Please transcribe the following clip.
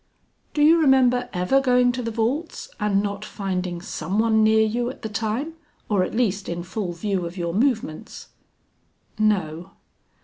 "Do you remember ever going to the vaults and not finding some one near you at the time or at least in full view of your movements?" "No."